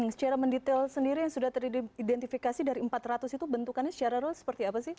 secara mendetail sendiri yang sudah teridentifikasi dari empat ratus itu bentukannya secara real seperti apa sih